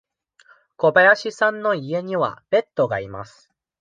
小林さんの家にはペットがいます。